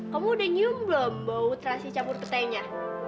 kamu udah nyium belum bau terasi campur petainya